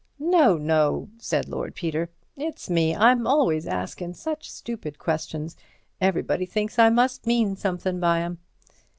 "No, no," said Lord Peter, "it's me. I'm always askin' such stupid questions, everybody thinks I must mean somethin' by 'em."